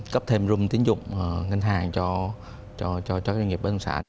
cấp thêm rung tín dụng ngân hàng cho doanh nghiệp bán đồng sản